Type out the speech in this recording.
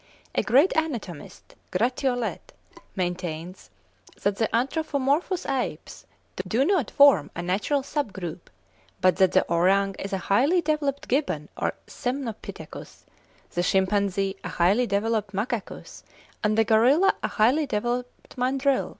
A great anatomist, Gratiolet, maintains that the anthropomorphous apes do not form a natural sub group; but that the orang is a highly developed gibbon or semnopithecus, the chimpanzee a highly developed macacus, and the gorilla a highly developed mandrill.